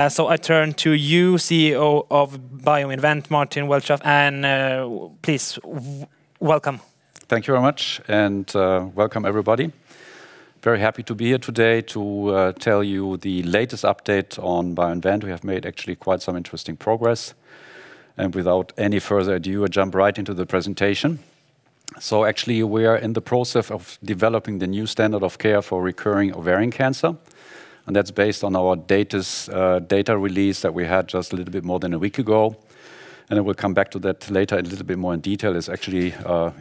I turn to you, CEO of BioInvent, Martin Welschof, please, welcome. Thank you very much. Welcome everybody. Very happy to be here today to tell you the latest update on BioInvent. We have made actually quite some interesting progress. Without any further ado, I'll jump right into the presentation. Actually, we are in the process of developing the new standard of care for recurring ovarian cancer, that's based on our data release that we had just a little bit more than a week ago. I will come back to that later in a little bit more detail. It's actually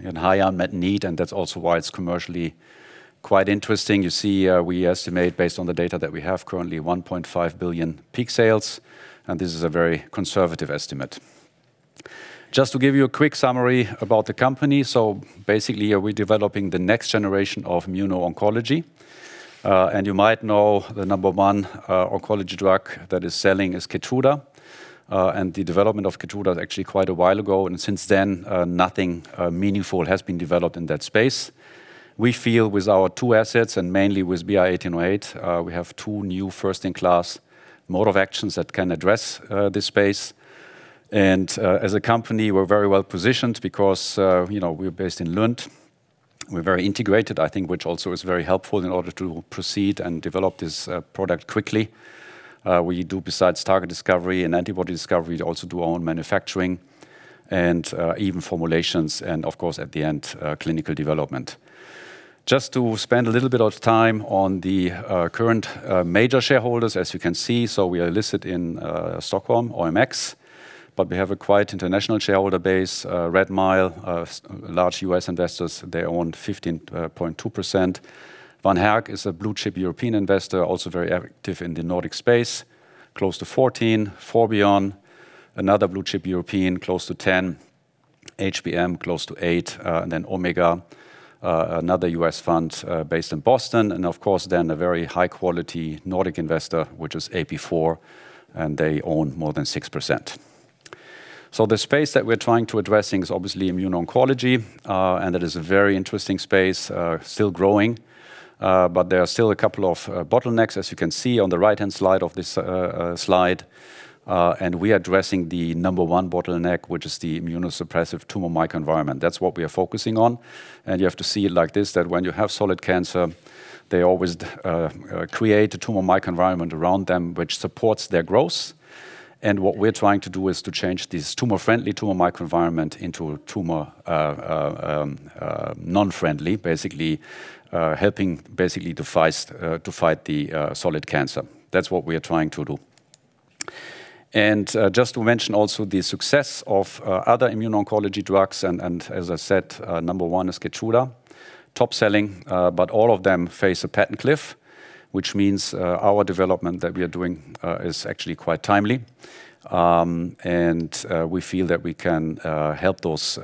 in high unmet need. That's also why it's commercially quite interesting. You see, we estimate based on the data that we have currently, 1.5 billion peak sales, and this is a very conservative estimate. Just to give you a quick summary about the company. Basically, we're developing the next generation of immuno-oncology. You might know the number one oncology drug that is selling is KEYTRUDA. The development of KEYTRUDA actually quite a while ago, and since then, nothing meaningful has been developed in that space. We feel with our two assets, and mainly with BI-1808, we have two new first-in-class mode of actions that can address this space. As a company, we're very well positioned because we're based in Lund. We're very integrated, I think, which also is very helpful in order to proceed and develop this product quickly. We do besides target discovery and antibody discovery, also do own manufacturing and even formulations, and of course, at the end, clinical development. Just to spend a little bit of time on the current major shareholders. As you can see, we are listed in Stockholm, OMX, but we have a quite international shareholder base. Redmile, large U.S. investors, they own 15.2%. Van Herk is a blue-chip European investor, also very active in the Nordic space, close to 14%. Forbion, another blue-chip European, close to 10%. HBM, close to 8%. Omega, another U.S. fund based in Boston. Of course, then a very high-quality Nordic investor, which is AP4, and they own more than 6%. The space that we're trying to address is obviously immuno-oncology. That is a very interesting space, still growing, but there are still a couple of bottlenecks, as you can see on the right-hand side of this slide. We are addressing the number one bottleneck, which is the immunosuppressive tumor microenvironment. That's what we are focusing on. You have to see it like this, that when you have solid cancer, they always create a tumor microenvironment around them, which supports their growth. What we're trying to do is to change this tumor-friendly tumor microenvironment into a tumor non-friendly, basically helping to fight the solid cancer. That's what we are trying to do. Just to mention also the success of other immuno-oncology drugs, as I said, number one is KEYTRUDA, top-selling, but all of them face a patent cliff, which means our development that we are doing is actually quite timely. We feel that we can help those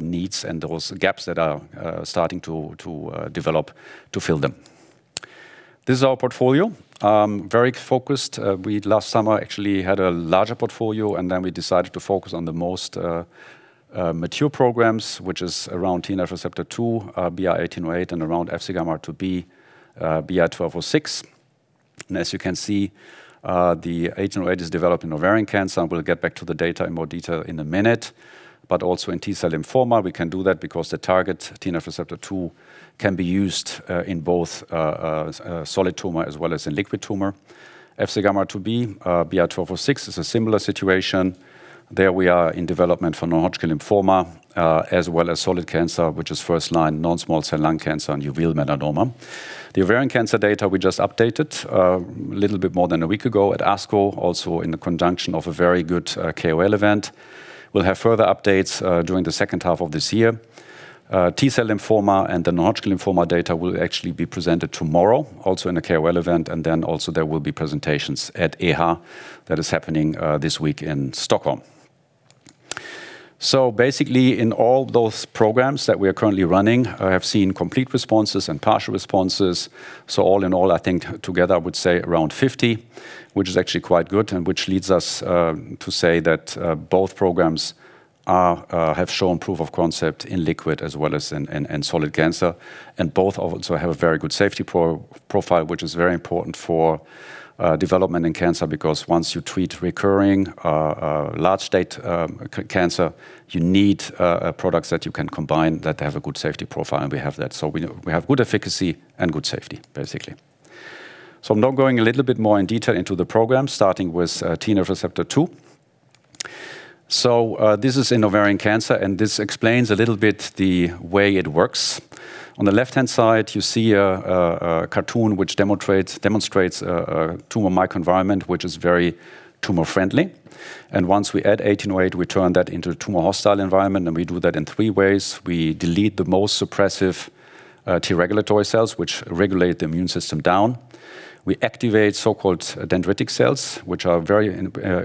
needs and those gaps that are starting to develop, to fill them. This is our portfolio. Very focused. We last summer actually had a larger portfolio, then we decided to focus on the most mature programs, which is around TNF Receptor 2, BI-1808, and around FcγRIIB, BI-1206. As you can see, the 1808 is developed in ovarian cancer, and we'll get back to the data in more detail in a minute. But also in T-cell lymphoma, we can do that because the target, TNF Receptor 2, can be used in both solid tumor as well as in liquid tumor. FcγRIIB, BI-1206, is a similar situation. There we are in development for non-Hodgkin lymphoma, as well as solid cancer, which is first-line non-small cell lung cancer and uveal melanoma. The ovarian cancer data we just updated a little bit more than a week ago at ASCO, also in conjunction with a very good KOL event. We'll have further updates during the second half of this year. T-cell lymphoma and the non-Hodgkin lymphoma data will actually be presented tomorrow, also in a KOL event, then also there will be presentations at EHA that is happening this week in Stockholm. Basically, in all those programs that we are currently running, I have seen complete responses and partial responses. All in all, I think together, I would say around 50, which is actually quite good, and which leads us to say that both programs have shown proof of concept in liquid as well as in solid cancer. Both also have a very good safety profile, which is very important for development in cancer, because once you treat recurring late-stage cancer, you need products that you can combine that have a good safety profile, and we have that. We have good efficacy and good safety, basically. Now going a little bit more in detail into the program, starting with TNF Receptor 2. This is in ovarian cancer, and this explains a little bit the way it works. On the left-hand side, you see a cartoon which demonstrates a tumor microenvironment, which is very tumor-friendly. Once we add 1808, we turn that into a tumor hostile environment, and we do that in three ways. We delete the most suppressive T regulatory cells, which regulate the immune system down. We activate so-called dendritic cells, which are a very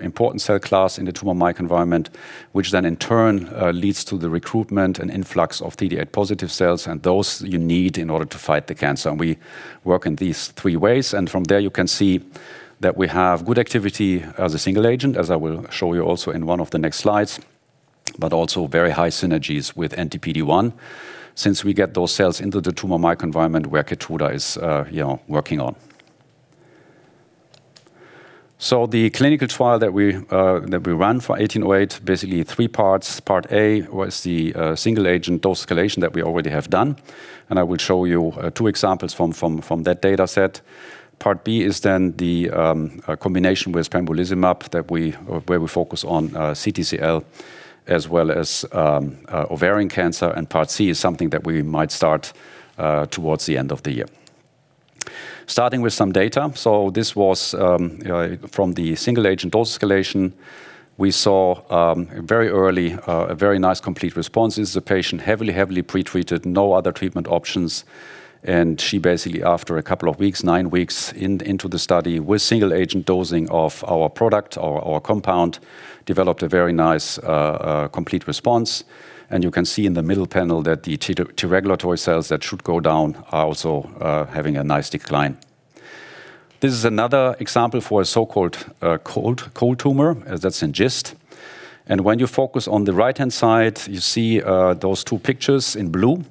important cell class in the tumor microenvironment, which then in turn leads to the recruitment and influx of CD8 positive cells, those you need in order to fight the cancer. We work in these 3 ways, and from there you can see that we have good activity as a single agent, as I will show you also in one of the next slides. But also very high synergies with anti-PD-1 since we get those cells into the tumor microenvironment where KEYTRUDA is working on. The clinical trial that we ran for BI-1808, basically 3 parts. Part A was the single agent dose escalation that we already have done, and I will show you 2 examples from that data set. Part B is then the combination with pembrolizumab where we focus on CTCL as well as ovarian cancer. Part C is something that we might start towards the end of the year. Starting with some data. This was from the single agent dose escalation. We saw very early a very nice complete response. This is a patient heavily pre-treated, no other treatment options, and she basically, after a couple of weeks, 9 weeks into the study with single agent dosing of our product or our compound, developed a very nice complete response. And you can see in the middle panel that the T regulatory cells that should go down are also having a nice decline. This is another example for a so-called cold tumor, as that suggests. And when you focus on the right-hand side, you see those 2 pictures in blue.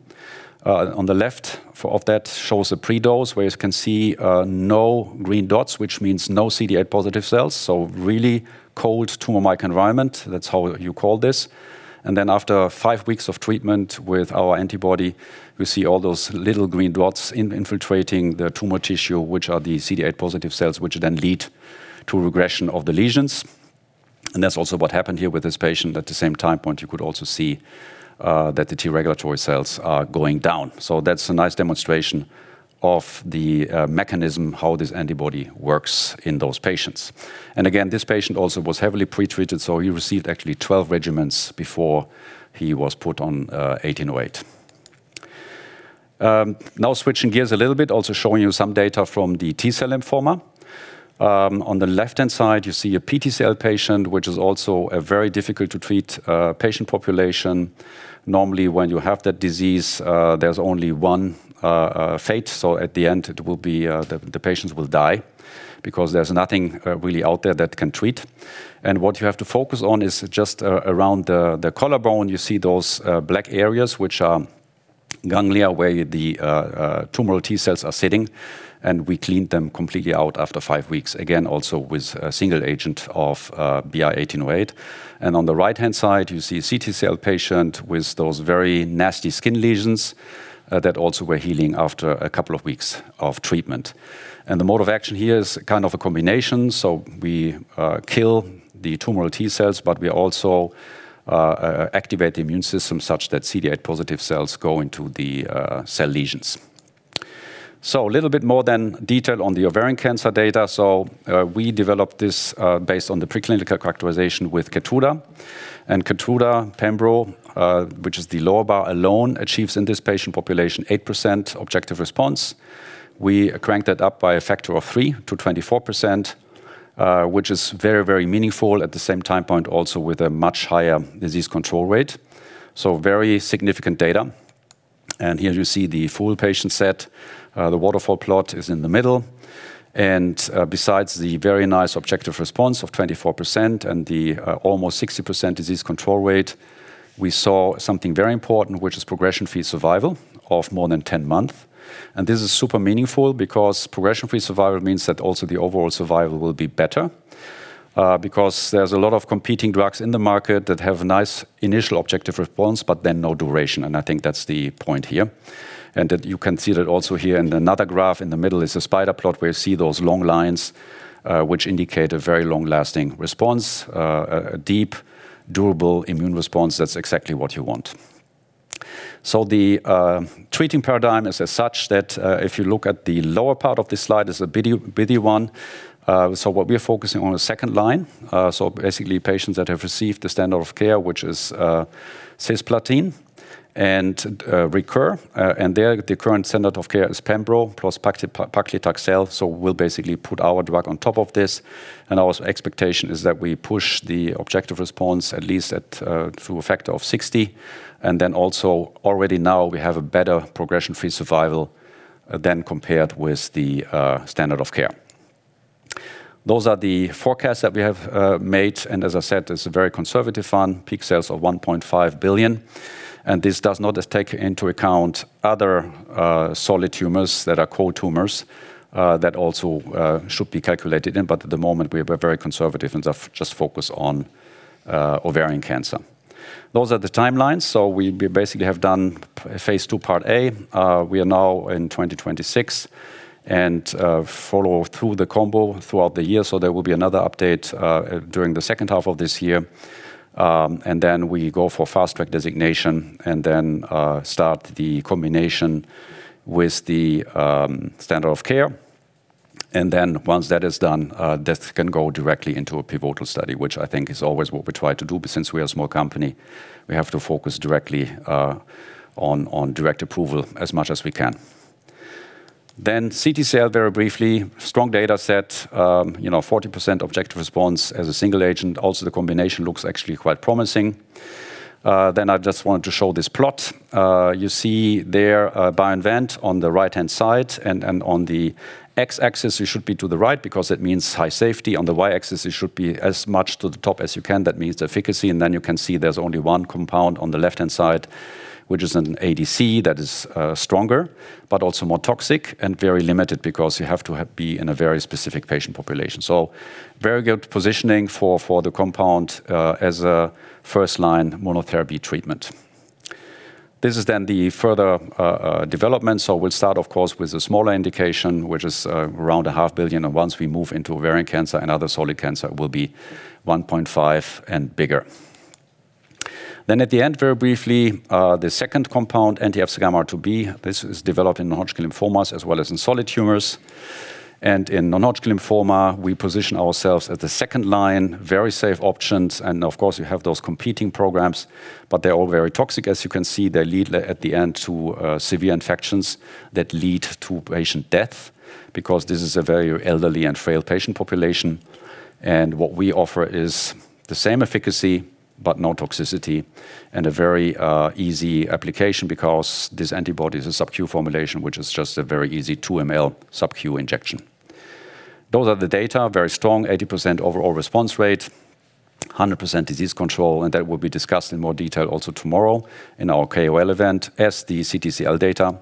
On the left of that shows the pre-dose where you can see no green dots, which means no CD8 positive cells. So really cold tumor microenvironment, that's how you call this. After 5 weeks of treatment with our antibody, we see all those little green dots infiltrating the tumor tissue, which are the CD8 positive cells, which then lead to regression of the lesions. And that's also what happened here with this patient. At the same time point, you could also see that the T-regulatory cells are going down. So that's a nice demonstration of the mechanism, how this antibody works in those patients. And again, this patient also was heavily pre-treated, so he received actually 12 regimens before he was put on BI-1808. Now switching gears a little bit, also showing you some data from the T-cell lymphoma. On the left-hand side, you see a PTCL patient, which is also a very difficult to treat patient population. Normally, when you have that disease, there's only one fate. At the end, the patients will die because there's nothing really out there that can treat. And what you have to focus on is just around the collarbone, you see those black areas, which are ganglia, where the tumor T cells are sitting, and we cleaned them completely out after 5 weeks, again, also with a single agent of BI-1808. And on the right-hand side, you see a CTCL patient with those very nasty skin lesions that also were healing after a couple of weeks of treatment. And the mode of action here is kind of a combination. So we kill the tumor T cells, but we also activate the immune system such that CD8 positive cells go into the cell lesions. A little bit more then detail on the ovarian cancer data. So we developed this based on the preclinical characterization with KEYTRUDA. Keytruda, pembro, which is the lower bar alone, achieves in this patient population 8% objective response. We crank that up by a factor of three to 24%, which is very meaningful. At the same time point, also with a much higher disease control rate. Very significant data. Here you see the full patient set. The waterfall plot is in the middle. Besides the very nice objective response of 24% and the almost 60% disease control rate, we saw something very important, which is progression-free survival of more than 10 months. This is super meaningful because progression-free survival means that also the overall survival will be better, because there's a lot of competing drugs in the market that have nice initial objective response, but then no duration, and I think that's the point here. That you can see that also here in another graph. In the middle is a spider plot where you see those long lines, which indicate a very long-lasting response, a deep, durable immune response. That's exactly what you want. The treating paradigm is as such that if you look at the lower part of this slide, it's a busy one. What we're focusing on is second line, so basically patients that have received the standard of care, which is cisplatin, and recur, and there, the current standard of care is pembro plus paclitaxel. We'll basically put our drug on top of this, and our expectation is that we push the objective response at least to a factor of 60. Then also already now we have a better progression-free survival than compared with the standard of care. Those are the forecasts that we have made. As I said, it's a very conservative one, peak sales of 1.5 billion. This does not take into account other solid tumors that are cold tumors that also should be calculated in. At the moment, we are very conservative and just focus on ovarian cancer. Those are the timelines. We basically have done phase II Part A. We are now in 2026 and follow through the combo throughout the year. There will be another update during the second half of this year. Then we go for Fast Track designation and then start the combination with the standard of care. Once that is done, this can go directly into a pivotal study, which I think is always what we try to do. Since we are a small company, we have to focus directly on direct approval as much as we can. CTCL very briefly. Strong data set, 40% objective response as a single agent. The combination looks actually quite promising. I just wanted to show this plot. You see there BioInvent on the right-hand side, and on the X-axis, you should be to the right because it means high safety. On the Y-axis, you should be as much to the top as you can. That means the efficacy. Then you can see there's only one compound on the left-hand side, which is an ADC that is stronger, but also more toxic and very limited because you have to be in a very specific patient population. Very good positioning for the compound as a first-line monotherapy treatment. This is the further development. We'll start, of course, with a smaller indication, which is around a half billion. Once we move into ovarian cancer and other solid cancer, will be 1.5 and bigger. At the end, very briefly, the second compound anti-FcγRIIB. This is developed in non-Hodgkin lymphomas as well as in solid tumors. In non-Hodgkin lymphoma, we position ourselves as the second line, very safe options. Of course, you have those competing programs, but they're all very toxic. As you can see, they lead at the end to severe infections that lead to patient death, because this is a very elderly and frail patient population. What we offer is the same efficacy but no toxicity, and a very easy application because this antibody is a subcu formulation, which is just a very easy 2-ml subcu injection. Those are the data, very strong, 80% overall response rate, 100% disease control, and that will be discussed in more detail also tomorrow in our KOL event as the CTCL data.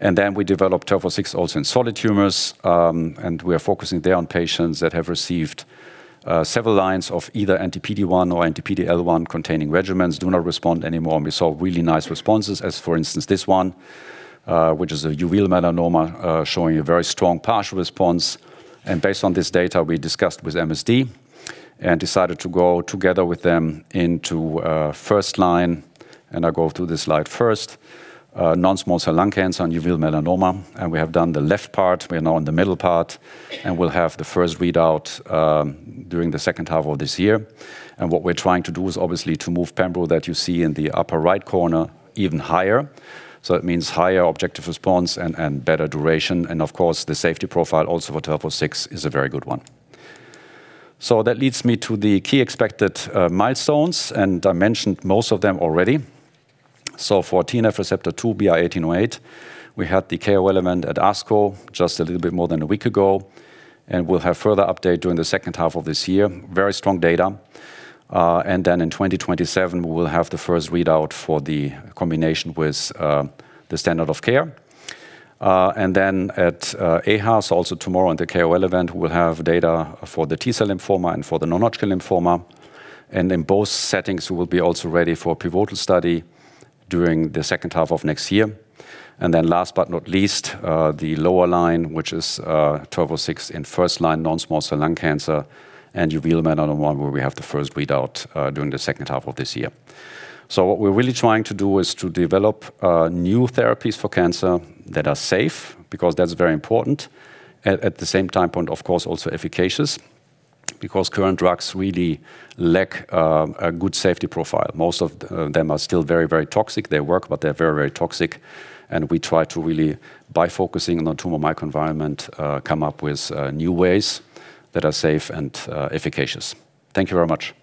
Then we developed BI-1206 also in solid tumors. We are focusing there on patients that have received several lines of either anti-PD-1 or anti-PD-L1-containing regimens, do not respond anymore. We saw really nice responses as, for instance, this one, which is a uveal melanoma, showing a very strong partial response. Based on this data, we discussed with MSD and decided to go together with them into first line. I go through this slide first. Non-small cell lung cancer and uveal melanoma, we have done the left part. We are now in the middle part, we'll have the first readout during the second half of this year. What we're trying to do is obviously to move pembro, that you see in the upper right corner, even higher. It means higher objective response and better duration. Of course, the safety profile also for BI-1206 is a very good one. That leads me to the key expected milestones, I mentioned most of them already. For TNFR2 BI-1808, we had the KOL event at ASCO just a little bit more than a week ago, we'll have further update during the second half of this year. Very strong data. In 2027, we will have the first readout for the combination with the standard of care. At EHA, also tomorrow on the KOL event, we will have data for the T-cell lymphoma and for the non-Hodgkin lymphoma. In both settings, we will be also ready for a pivotal study during the second half of next year. Last but not least, the lower line, which is BI-1206 in first-line non-small cell lung cancer and uveal melanoma, where we have the first readout during the second half of this year. What we're really trying to do is to develop new therapies for cancer that are safe, because that's very important. At the same time point, of course, also efficacious because current drugs really lack a good safety profile. Most of them are still very toxic. They work, but they're very toxic. We try to really, by focusing on the tumor microenvironment, come up with new ways that are safe and efficacious. Thank you very much.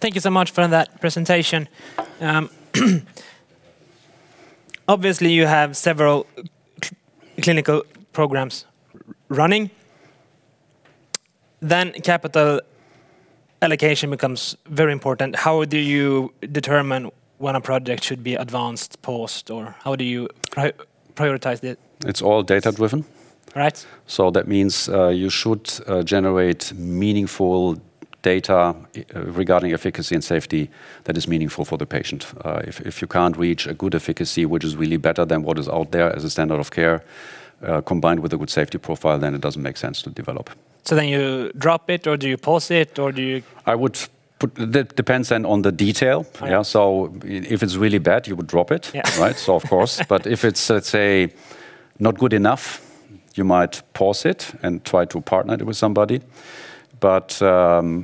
Thank you so much for that presentation. Obviously, you have several clinical programs running. Capital allocation becomes very important. How do you determine when a project should be advanced, paused, or how do you prioritize it? It's all data-driven. Right. That means you should generate meaningful data regarding efficacy and safety that is meaningful for the patient. If you can't reach a good efficacy, which is really better than what is out there as a standard of care, combined with a good safety profile, then it doesn't make sense to develop. You drop it, or do you pause it, or do you? That depends on the detail. Right. If it's really bad, you would drop it. Yeah. Of course. If it's, let's say, not good enough, you might pause it and try to partner it with somebody.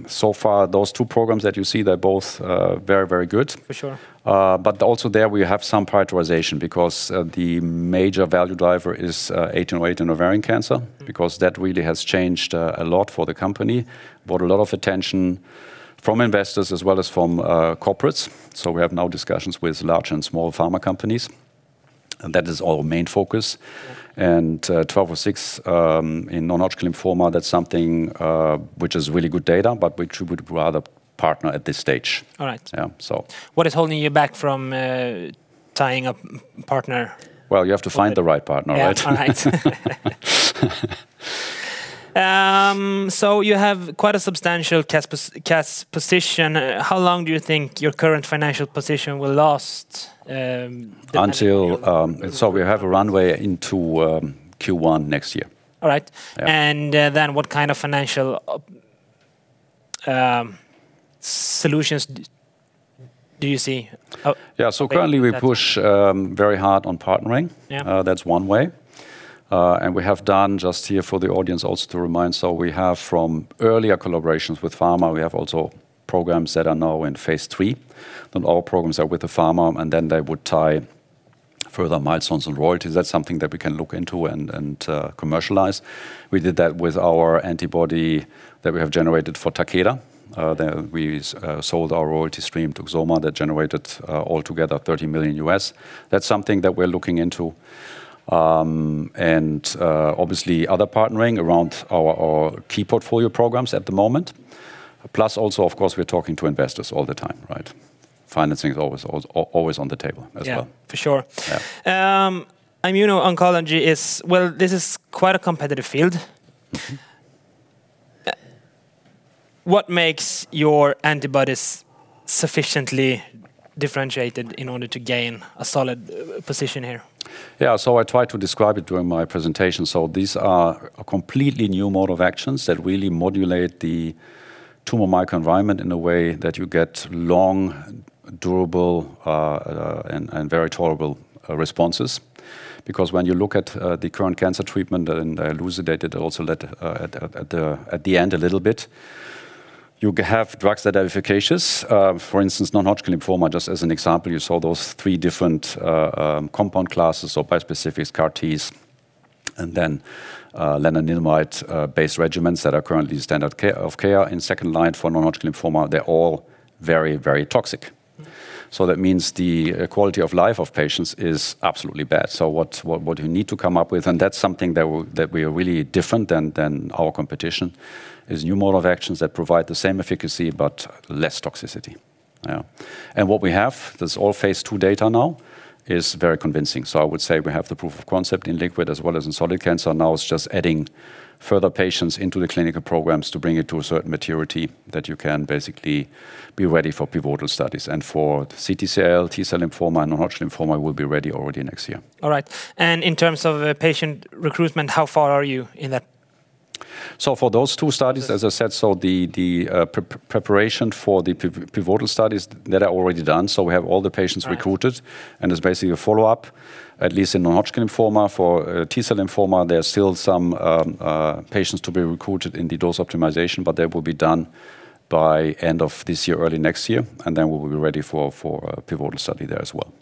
So far, those two programs that you see, they're both very good. For sure. Also there, we have some prioritization because the major value driver is BI-1808 in ovarian cancer, because that really has changed a lot for the company. Brought a lot of attention from investors as well as from corporates. We have now discussions with large and small pharma companies, and that is our main focus. BI-1206 in non-Hodgkin lymphoma, that's something which has really good data, but which we would rather partner at this stage. All right. Yeah. What is holding you back from tying a partner? Well, you have to find the right partner, right? Yeah. All right. You have quite a substantial cash position. How long do you think your current financial position will last? We have a runway into Q1 next year. All right. Yeah. Then what kind of financial solutions do you see? Yeah. Currently we push very hard on partnering. Yeah. That's one way. And we have done, just here for the audience also to remind. We have from earlier collaborations with pharma, we have also programs that are now in phase III, Our programs are with the pharma, Then they would tie further milestones and royalties. That's something that we can look into and commercialize. We did that with our antibody that we have generated for Takeda. We sold our royalty stream to XOMA that generated altogether $30 million. That's something that we're looking into. Obviously other partnering around our key portfolio programs at the moment. Plus also, of course, we're talking to investors all the time. Financing is always on the table as well. Yeah, for sure. Yeah. Immuno-oncology is quite a competitive field. What makes your antibodies sufficiently differentiated in order to gain a solid position here? Yeah. I tried to describe it during my presentation. These are a completely new mode of actions that really modulate the tumor microenvironment in a way that you get long, durable, and very tolerable responses. Because when you look at the current cancer treatment, and I elucidated also that at the end a little bit, you have drugs that are efficacious. For instance, non-Hodgkin lymphoma, just as an example, you saw those three different compound classes or bispecific CAR T, and then lenalidomide-based regimens that are currently standard of care in second line for non-Hodgkin lymphoma. They're all very toxic. That means the quality of life of patients is absolutely bad. What you need to come up with, and that's something that we are really different than our competition, is new mode of actions that provide the same efficacy but less toxicity. Yeah. What we have, that's all phase II data now, is very convincing. I would say we have the proof of concept in liquid as well as in solid cancer. It's just adding further patients into the clinical programs to bring it to a certain maturity that you can basically be ready for pivotal studies. For CTCL, T-cell lymphoma, non-Hodgkin lymphoma, we'll be ready already next year. In terms of patient recruitment, how far are you in that? For those two studies, as I said, the preparation for the pivotal studies that are already done, so we have all the patients recruited, and it's basically a follow-up, at least in non-Hodgkin lymphoma. For T-cell lymphoma, there are still some patients to be recruited in the dose optimization, that will be done by end of this year, early next year, then we will be ready for a pivotal study there as well.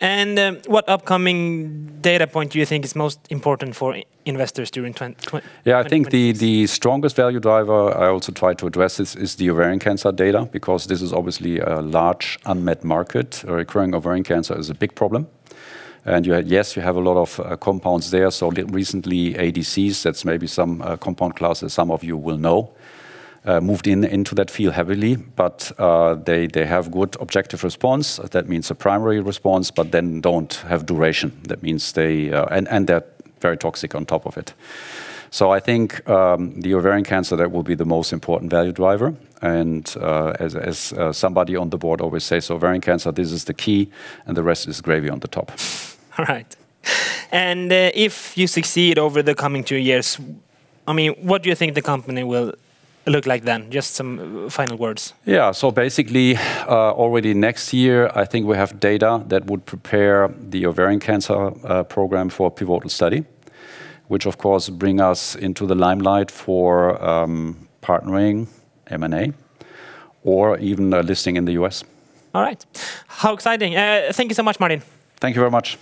What upcoming data point do you think is most important for investors during 2026? Yeah, I think the strongest value driver I also try to address is the ovarian cancer data, because this is obviously a large unmet market. Recurrent ovarian cancer is a big problem. Yes, you have a lot of compounds there. Recently ADCs, that's maybe some compound class that some of you will know, moved into that field heavily. They have good objective response, that means a primary response, then don't have duration. They're very toxic on top of it. I think the ovarian cancer, that will be the most important value driver, as somebody on the board always say, so ovarian cancer, this is the key, and the rest is gravy on the top. All right. If you succeed over the coming two years, what do you think the company will look like then? Just some final words. Yeah. Basically, already next year, I think we have data that would prepare the ovarian cancer program for pivotal study, which of course bring us into the limelight for partnering M&A or even a listing in the U.S. All right. How exciting. Thank you so much, Martin. Thank you very much.